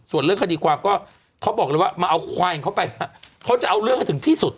ส่วนเรื่องคดีความก็เขาบอกเลยว่ามาเอาควายของเขาไปเขาจะเอาเรื่องให้ถึงที่สุด